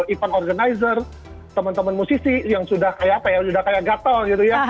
event organizer teman teman musisi yang sudah kayak apa ya sudah kayak gatel gitu ya